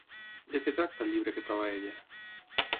De què tracta el llibre que troba ella?